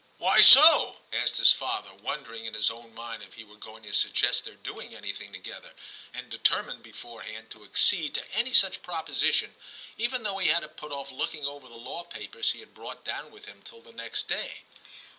' Why so "i ' asked his father, wondering in his own mind if he were going to suggest their doing anything together, and deter mined beforehand to accede to any such proposition, even though he had to put off looking over the law papers he had brought down with him till the next day.